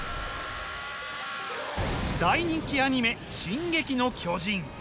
大人気アニメ「進撃の巨人」。